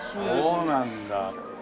そうなんだ。